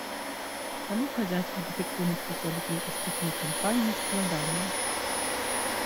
Таму казаць аб эфектыўнасці сёлетняй уступнай кампаніі складана.